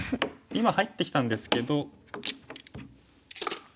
今入ってきたんですけど。